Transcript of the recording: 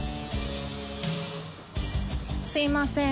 すいません。